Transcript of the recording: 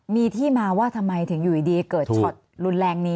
มีที่มาว่าทำไมถึงอยู่ดีเกิดช็อตรุนแรงนี้